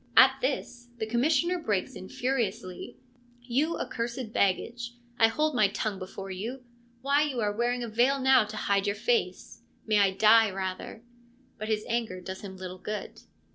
At this the Commissioner breaks in furiously : 1 You accursed baggage, I hold my tongue before you ! Why, you are wearing a veil now to hide your face. May I die rather.' But his anger does him little good.